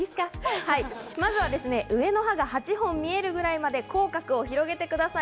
まずは上の歯が８本見えるくらいまで口角を広げてください。